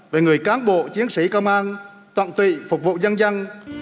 về người cán bộ chiến sĩ công an toàn tỵ phục vụ dân dân